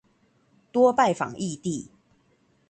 多拜訪異地